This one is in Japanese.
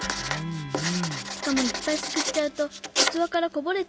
しかもいっぱいすくっちゃうとうつわからこぼれちゃうでしょ？